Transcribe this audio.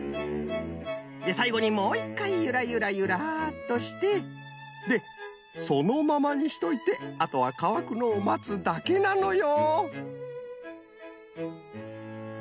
でさいごにもう１かいゆらゆらゆらっとしてでそのままにしといてあとはかわくのをまつだけなのよ。